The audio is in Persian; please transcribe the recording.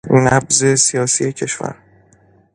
نبض سیاسی کشور